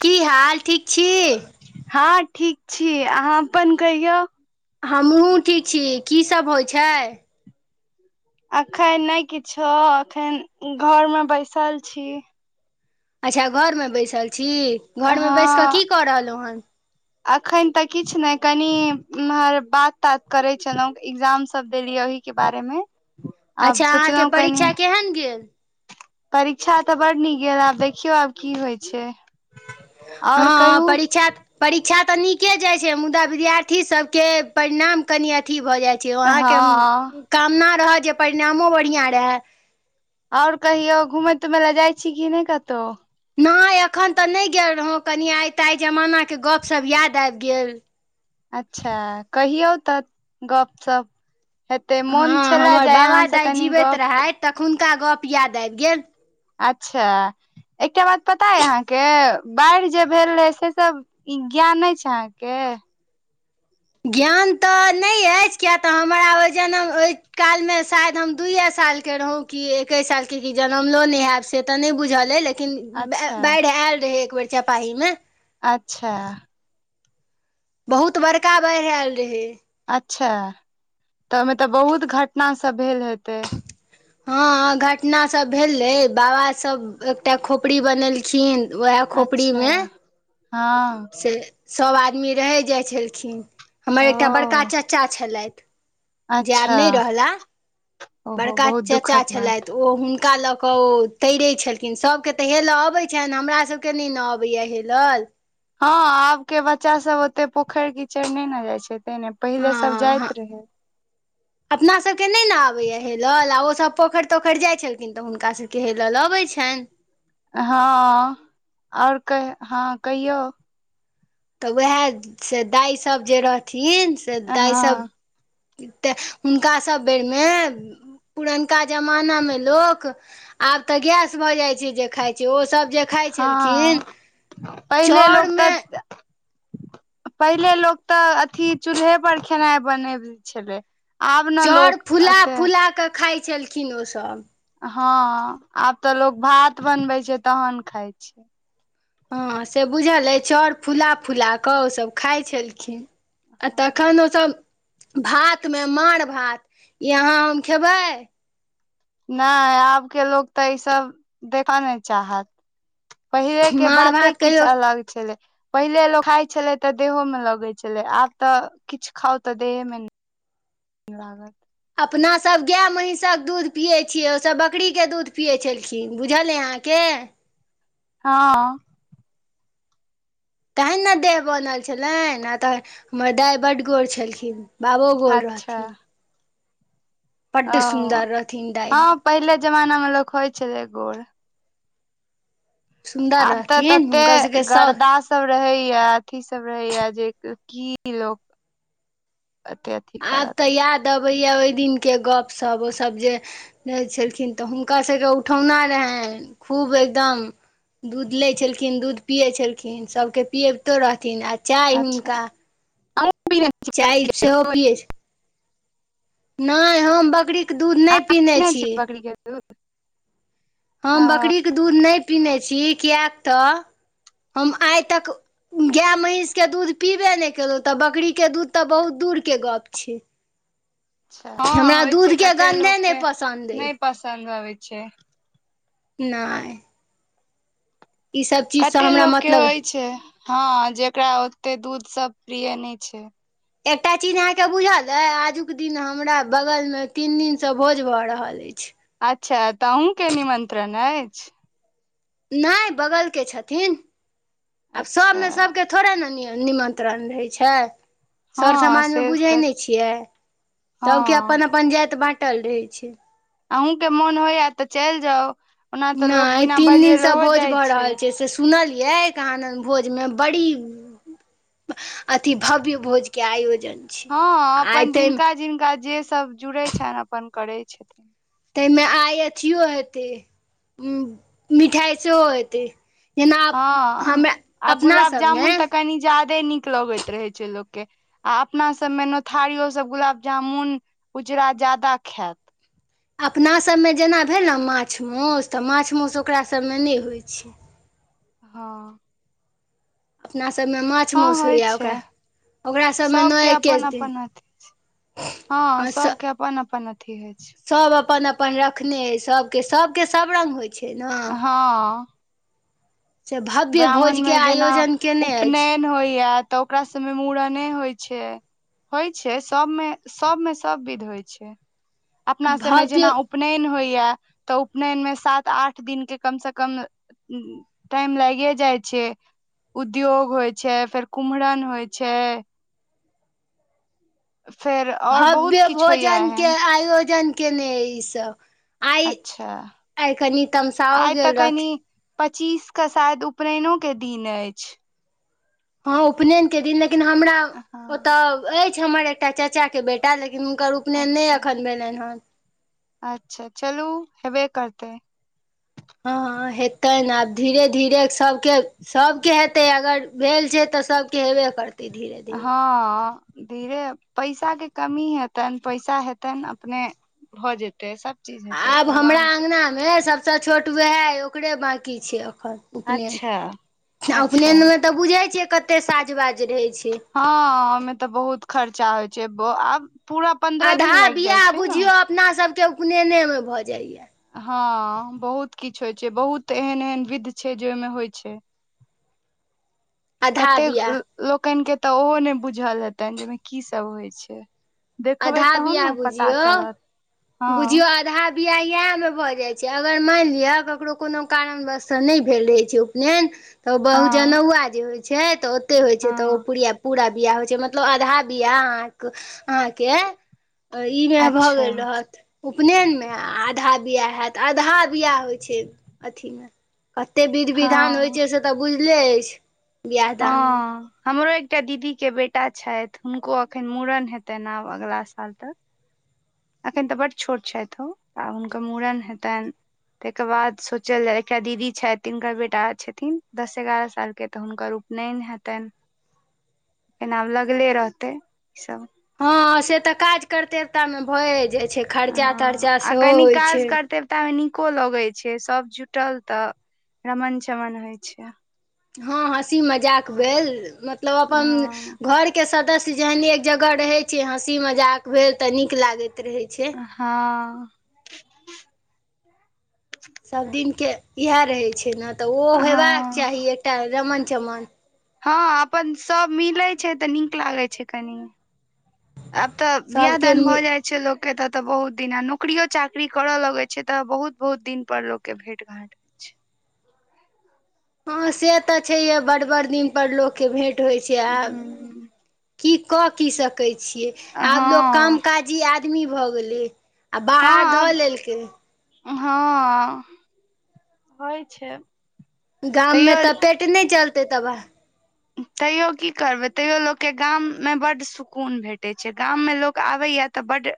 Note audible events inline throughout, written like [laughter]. की हाल, ठीक छी? हँ ठीक छी, अहाँ अपन कहियौ? हमहुँ ठीक छी, की सभ होइत छै? अखन नहि किछो अखन घरमे बैसल छी। अच्छा घरमे बैसल छी, घरमे बैस कऽ हँ की कऽ रहलहुँ हन? अखन तऽ किछु नहि, कनि एम्हर बात-तात करेै छलहुँ एग्जाम सब देलियैहि के बारेमे अच्छा अहाँकेॅं परीक्षा केहन गेल? परीक्षा तऽ बड नीक गेल, आब देखियौ आब की होइ छै? आओर हँ कहू परीक्षा- परीक्षा तऽ नीके जाइत छै मुदा विद्यार्थी सभके परिणाम कनि अथी भऽ जाइत छै अहाँके हँ कामना रहय जे परिणामो बढ़िआँ रहए! आओर कहियौ घुमय-तुमय लए जाइ छी की नहि कतहु? नइॅं एखन तऽ नहि गेल रहौँ, कनि आइ ता जमानाके गपशप यादि आबि गेल अच्छा कहियौ तऽ गपशप हेतै, मोन हँ छलए हमर जे बाबा अहाँसँ दाइ कनि जीवैत गप रहथि तखुनका गप याद आबि गेल। अच्छा एकटा बात पता यए अहाँकेॅं? बाढ़ि जे भेल रहै से सब ई ज्ञान अछि अहाँके? ज्ञान तऽ नहि अछि किय तॅं हमरा ओहि जनम, ओहि कालमे शायद हम दुइए साल के रहुॅं? की एके सालके, जनमलो नहि हयब से तऽ नहि बुझल अछि लेकिन अच्छा बाढ़ि आयल रहै एक बेर चपाहीमे अच्छा बहुत बड़का बाढ़ि आयल रहै। अच्छा तऽ ओहिमे तऽ बहुत घटना सब भेल हेतै? हँ घटना सब भेलै, बाबा सब एकटा खोपड़ी बनेलखिन। वएह अच्छा खोपड़ीमे हँ से सभ आदमी रहै जाइ छलखिन हमर एकटा बड़का ओ चाचा छलथि जे आब अच्छा नहि रहलाह, ओहो बड़का बहुत चाचा दुखक बात छलैथ ओहो हुनका लग क ओ तैरैत छलखिन, सभके तऽ हेलय अबैत छनि हमरा सभके नहि न अबैया हेलल। हँ आबके बच्चा सब ओते पोखर-कीचड़ नहि ने जाइ छै पहिने पहिले सभ हँ हँ जाइत रहै। अपना सभके नहि ने अबैए हेलल आ ओ सभ पोखरि-तोखरि जाइत छलखिन तॅं हुनका सभके हेलल अबैत छनि हँ ओर कह हँ कहियौ तऽ उएह से दाइसभ जे रहथिन से दाइसभ हँ तऽ हुनका सभ बेरमे पुरनका जमाना में लोक आब त गैस भ जाय छै जे खाय छी ओ सब जे खाइत हँ छलखिन पहिले लोक तऽ चाउरमे पहिले लोक तऽ अथी चूल्हे पर खेनाइ बनबे छलैय चउर फुला फुला क खाइ छलखिन ओसभ हँ आब त लोग भात बनबे छै तहन खाय छै हँ से बुझल अछि चाउर फुला फुला क ओसभ खाइ छलखिन आ तखन ओसभ भातमे माड़ भात ई अहाँ हम खेबै न आब के लोक त ई सब देखे नई चाहत पहिले के माँड़ बाते भात किछु कहियो अलग छलै पहिले लोको खाय छले त देहो में लगे छले आब त किछु खाउ त देहे मे ने लागल अपनासभ गाय महीषक दूध पियैत छियै ओसभ बकरीके दूध पियैत छलखिन बुझल अछि अहाँके हँ तहन नऽ देह बनल छलनि आ तह हमर दाइ बड्ड गोर छलखिन बाबो गोर अच्छा रहथिन बड ओ सुन्दर रहथिन दाय हँ पहिले जमाना मे लोक होइ छलै गोड़ सुन्दर आब तऽ रहथिन तते हुनकर सभके साउस गरदा की सब रहैया अथी सब रहेया जे की लोक ओतेय अथि आब तऽ याद अबैया ओहि दिनके गपशप ओसभ जे रहि छलखिन तऽ हुनका सभके उठौना रहनि खूब एकदम दूध लै छलखिन दूध पियै छलखिन सभके पियबितो रहथिन आ चाय अच्छा हुनका छी चाय बकरी के सेहो दूध पियछै नहि हम बकरी के दूध नऽ पीने छी [unintelligible] हम बकरी अच्छा के दूध नहि पीने छी किया त हम आइ तक गाय महीष के दूध पीबे नहि केलहुँ त बकरी के दूध त बहुत दूर के गप छै हँ हमरा होइ छै दूधके कते गन्धे नहि लोकके पसन्द अइ नहि पसन्द अबै छै नहि ईसभ चीजसँ कते हमरा लोक के मतलब होइ छै हँ जेकरा ओते दूध सऽ प्रिय नहि छै एकटा चीज अहाँके बुझल अइ आजुक दिन हमरा बगलमे तीन दिनसँ भोज भऽ रहल अछि अच्छा त आहुँके निमंत्रण अछि नहि बगल के छथिन आब अच्छा सबमे सबके थोड़े नऽ निमन्त्रण रहै छै सर हँ समाजमे से बुझै तऽ नहि छियै सभके हँ अपन अपन जाति बाटल रहैत छै अहूँ के मोन होइयत तऽ चलि जाउ ओना तऽ लोक नहि बिना तीन बजेले दिनसँ हो भोज जाइ भऽ रहल छै सुनल यऽ कहान दिन भोजमे बड़ी अथी भव्य भोजके आयोजन छै हँ आइ अपन ताहिमे जिनका जिनका जे सब जुड़ै छैन अपन करै छथिन ताहि मे आइ अथियो ऐतै मिठाई सेहो हेतै जेना हँ हमरा आ अपना गुलाब सबमे जामुन तऽ कनि ज्यादे नीक लगैत रहै छै लोकके आ अपना सबमे नोथारियो सब गुलाब जामुन उजरा ज्यादा खाएत अपनासभमे जेना भेल न माछ मौस तऽ माछ मौस ओकासभमे नहि होइत छै हँ अपना सभमे माछ हँ मौस होइ हइए छै ओकरा ओकरा सभ मे सबके अपन नौएकेस दिन अपन अथी हँ सबके अपन अपन अथी होइ छै सब अपन अपन रखने अई सब के सब के सब रंग होय हँ से भव्य भोजके ब्राह्मणमे जेना आयोजन केने अछि उपनयन होइया तऽ ओकरा सभमे मूड़ने होइ छै होइ छै सबमे सभमे सब विध होइ छै अपना सबमे भव्य जेना उप उपनयन होइया तऽ उपनयन मे सात आठ दिन के कम से कम टाइम लैग के जाइ छै उद्योग होइ छै फेर कुमरन होइ छै फेर और बहुत भव्य किछु होइया भोजन के एहन आयोजन केने अइ ईसभ आइ अच्छा ए कनी तमशाह वो आइ तऽ गेल कनि रहथिन पच्चीस क शायद उपनैयनो के दिन अछि हँ उपनयन के दिन लेकिन हमरा हँ ओत अय हमर एकटा चचा के बेटा लेकिन हुनकर उ अच्छा अच्छा चलू हेबे करतै हँ हेतै न आब धीरे धीरे सभके सबके हेतै अगर भेल छै तऽ सबके हेबे करतै धीरे धीरे हँ धीरे पैसा के कमी हेतनि पैसा हेतनि अपने भऽ जेतै सभचीज हेतै भगवान छै यै सभसँ छोट वएह अइ ओकरे बाँकी छै एखन उपनेयन अच्छा आ अच्छा उपनेयन मे तऽ बुझै छियै कते साजबाज रहै छै हँ ओहिमे तऽ बहुत खर्चा होइ छै आब पूरा पन्द्रह आधा दिन लागि जाइ बियाह छै न बुझियौ अपना सबके उपनेयने मे भ जाइय हँ बहुत किछु होइ छै बहुत एहन एहन विध छै जे ओहिमे होइ छै [inaudible] आधा कतेक बियाह लोकनिकेँ तऽ ओहो नहि बुझल हेतनि जेहिमे कीसभ होइत छै देखबै आधा तहन बियाह न पता बुझियौ चलत हँ बुझियौ आधा बियाह इएहमे भऽ जाइ छै अगर मानि लिअ ककरो कोनो कारण वसस नहि भेल रहै छै उपनयन तऽ बहु हँ जनौआ जे होइ छै तऽ ओते होइ छै तऽ ओ हँ पूरिया पूरा बिआह होइ छै मतलब आधा बिआह अहाँके अहाँके आ ई ने भ अच्छा गेल रहत उपनेयनमे आ आधा बियाह हएत आधा बआाह होइ छै अथिमे कते विध विधान होइत हँ छै से तऽ बुझले अछि बियाह दानमे हँ हमरो एकटा दीदी के बेटा छैथ हुनको अखन मूड़न हेतनि आब अगला साल तक अखन तऽ बड छोट छथि ओ आ हुनकर मूड़न हेतैन ताहि के बाद सोचल जाय क दीदी छथि तिनकर बेटा छथिन दस एगारह साल के ते हुनकर उ नहि ने हेतनि एना आब लगले रहतै ई सब हँ से तऽ काज करते एतय मे भए जाइत छै खर्चा तर्चा सेहो होइ छै तें नीको लगे छै सब जुटल तऽ रमन चमन होय छै हँ हँसी मजाक भेल मतलब अपन हँ घर के सदस्य जहने एक जगह रहे छै हँसी मजाक भेल ते निक लागैत रहे छै हँ सभदिनके इएह रहैत छै न तऽ ओहो होयबाक हँ चाही एकटा रमन चमन हँ अपन सभ मिलैत छै तऽ नीक लागैत छै कनि अब तऽ बिआह सबके दान भ मि जाइ छै छै लोकके त तऽ बहुत दिन आ नौकियो चाकरी करऽ लगैत छै तऽ बहुत बहुत दिन पर लोकके भेट घाट हँ से तऽ छैहे बड बड़ दिनपर लोकके भेट होइत छै आब हूँ की कऽ की सकैत छियै आब लोक काम हँ काज जी आदमी भऽ गेलै आ हँ बाहर धऽ आब लेलकै हँ होइ छै गाममे तैयो तऽ पेट नहि चलतै तब तैयो की करबै तैयो लोकके गाममे बड्ड सुकून भेटैत छै गाममे लोक आबैया तऽ बड्ड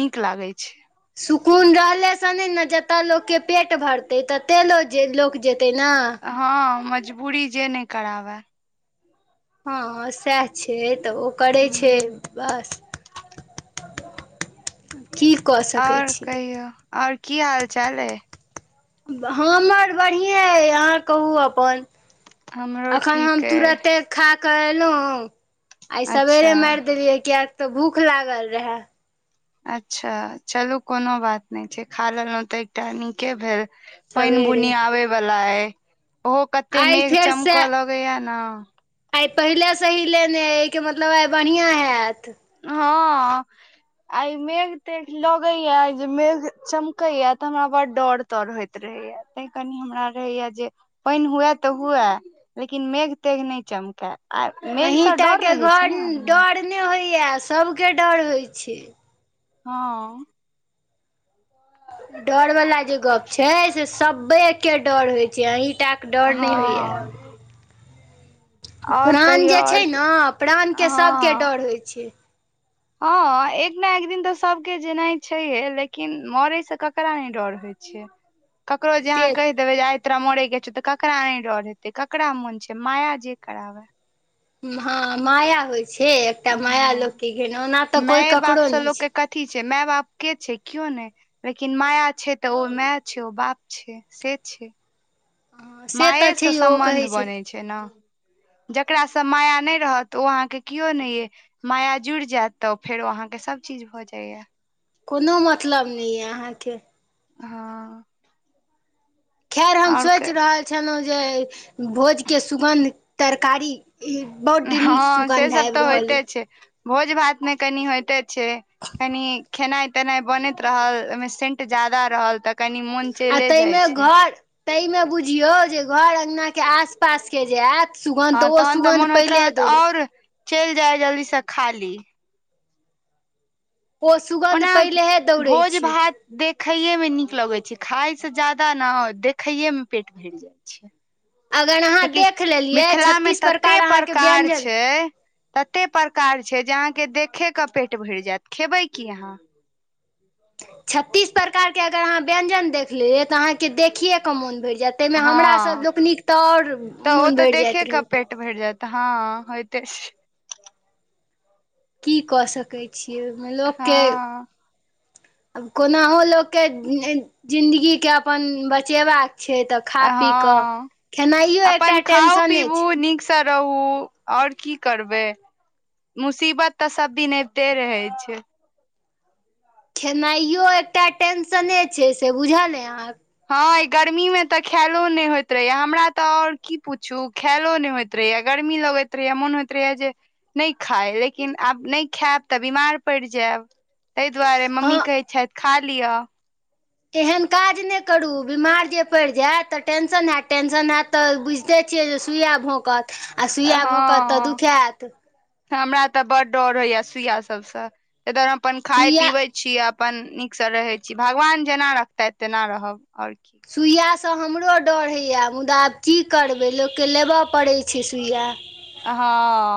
नीक लागे छै सुकून रहलेसँ नहि ने जतय लोकके पेट भरतै ततेक लोक लोक जेतै ने हँ मजबूरी जे नहि कराबै हँ हँ सएह छै तऽ ओ करय छै हूँ बस [inaudible] की कऽ सकै छी आओर की हाल चाल ये हमर बढ़िएँ अइ अहाँ कहू अपन हमरो अखन हम ठीक अइ तुरते खाक एलहु आइ सबेरे अच्छा मारि देलियै कियक तऽ भूख लागल रहे अच्छा चलू कोनो बात नहि छै खा लेलहुँ तऽ एकटा नीके भेल पानि सवेरे बुनी आबे वला अय ओहो कते आइ मेघ फेरसँ चमकऽ लगैया न आइ पहिले सही लेने अइके मतलब आइ बढ़िआँ हैत हँ आइ मेघ तेघ लगे या जे मेघ चमक या तऽ हमरा बड़ डर तर होइत रहेया तै कनी हमरा रहैया जे पानि हुए तऽ हुए लेकिन मेघ तेघ नहि चमकए आ मेघ से डर रहे छै ने आदमी अपने होइया सभके डर होइ छै हँ डर वाला जे गप छै से सबे के डर होय छै अहि टा डर नहि होइए हँ आओर प्राण कहियौ जे आओर छै ने प्राण के सभके हँ डर होइ छै हँ एक ने एक दिन तऽ सबके जेनाइ छैये लेकिन मरे से ककरा नहि डर होइत छै ककरो जे से अहाँ कहि कही देबय आइ तोरा मोरय के छौ तऽ ककरा न डर हेते ककरा मोन छै माया जे कराबै हँ माया होइ छै एकटा माया हँ लोकके गेल ओना तऽ कोई माय बाप ककरो से लोक नहि के छै कथी छै माय बाप के छै क्यो ने लेकिन माया छै तऽ ओ माय छै ओ बाप छै से छै हँ से तऽ छै मायेसँ यौ ओ सम्बन्ध कहै बनैत छै ने जकरासँ माया नहि रहत ओ अहाँकेॅं केओ नहि अछि माया जुड़ि जायत तऽ फेरो अहाँके सभ चीज भऽ जाइया। कोनो मतलब नहि यए अहाँके हँ खैर हम आओर क- सोचि रहल छलहुँ जे भोजके सुगन्ध, तरकारी ई हँ से सब तऽ होइते छै भोज-भातमे कनि होइते छै कनी खेनाइ-तेनाइ बनैत रहल ओहिमे सेंट ज्यादा रहल तॅं कनी मोन चैले जाइ छै। तैऽमे बुझियौ जे घर अंगनाके आसपासके जे आयत सुगन्ध तऽ हँ ओ तहन सुगन्ध मोन होइत पहिले रहत दौड़ै आओर चलि जाय जल्दीसे खा ली। ओ सुगन्ध ओना पहिलेहे दौड़ै छै भोज-भात देखैेमे नीक लगै छै, खायसे जादा ने देखैेमे पेट भरि जाय छै, अगर अहाँ कयैकि देख लेलियै मिथिलामे छत्तीस तते प्रकार अहाँके प्रकार व्यञ्जन छै तते प्रकार छै जे अहाँके देखेकऽ पेट भरि जायत खेबै की अहाँ छत्तीस प्रकारके अगर अहाँ व्यञ्जन देखि लेलियै तऽ अहाँके देखियए कऽ मोन भरि जायत ताहिमे हमरासन हँ लोकनिक तऽ आओर तऽ ओ मोन तऽ भरि जाइत देखे रहै कऽ पेट भरि जायत, हँ होयते की कऽ सकै छियै ओहिमे लोककेँ हँ [inaudible] आब कोनाहु लोकके जिन्दगीके अपन बचेबाक छै तऽ खा पी कऽ, हँ खेनाइयो एकटा टेंशने छै [unintelligible] स रहू आओर की करबै? मुसीबत तऽ सब दिन अबिते रहेैत छै। खेनाइयो एकटा टेंशने छै से बुझल अइ अहाँके? हँ गर्मीमे तॅं खाएलो नहि होइत रहैया, हमरा तऽ और की पूछू खायलो नहि होइत गर्मी लगैत रहैए मोन होइत रहैए जे नहि खाइ लेकिन आब नहि खायब तऽ बीमार पड़ि जायब। ताहि दुआरे मम्मी हँ कहै छथि खा लिअ। एहन काज नहि करू, बीमार जे पड़ि जायब तऽ टेंशन हैत, टेंशन हैत तऽ बुझिते छियै जे सुइया भोकत आ सुइया भोकत तऽ हँ दुखाएत हमरा तॅं बड्ड डऽर होइया सुइया सबसे, इधर हम अपन सुइया खाय-पीबै छी अपन नीकसँ रहैत छी, भगवान जेना रखतथि तेना रहब आओर की सुइयासँ हमरो डर होइया मुदा आब की करबै लोककेँ लेबऽ पड़ैत छै सुइया। हँ